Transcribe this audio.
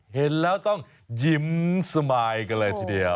เห็นแล้วต้องยิ้มสมายกันเลยทีเดียว